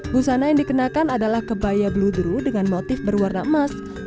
busana yang dikenakan adalah kebaya bluedruh dengan motif berwarna emas dan berwarna merah